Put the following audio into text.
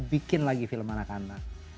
bikin lagi film anak anak